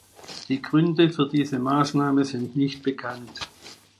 Die Gründe für diese Maßnahme sind nicht bekannt.